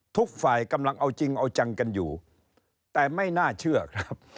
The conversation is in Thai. ทุกฝ่ายกำลังเอาจริงเอาจังกันอยู่แต่ไม่น่าเชื่อครับ